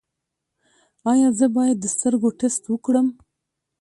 ایا زه باید د سترګو ټسټ وکړم؟